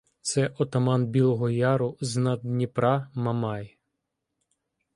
Це отаман Білого Яру з-над Дніпра Мамай.